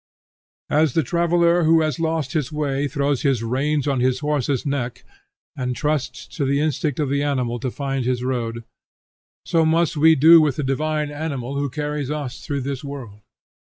As the traveller who has lost his way throws his reins on his horse's neck and trusts to the instinct of the animal to find his road, so must we do with the divine animal who carries us through this world.